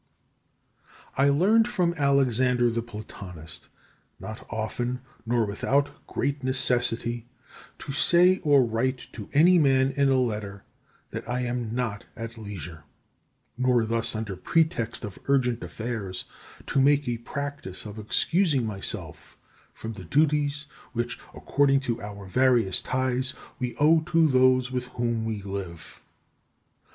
12. I learned from Alexander the Platonist not often nor without great necessity to say, or write to any man in a letter, that I am not at leisure; nor thus, under pretext of urgent affairs, to make a practice of excusing myself from the duties which, according to our various ties, we owe to those with whom we live.